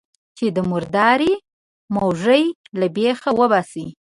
چې د مردارۍ موږی له بېخه وباسي.